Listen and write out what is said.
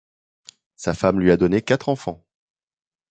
Sa femme lui a donné quatre enfants.